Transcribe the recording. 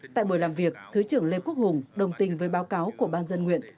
tại buổi làm việc thứ trưởng lê quốc hùng đồng tình với báo cáo của ban dân nguyện